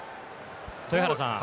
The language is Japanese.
豊原さん